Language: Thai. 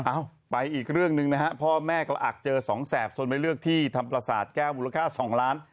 เอาไปอีกเรื่องหนึ่งนะฮะพ่อแม่ก็อักเจอสองแสบจนไปเลือกที่ธรรมประสาทแก้วมูลค่า๒ล้าน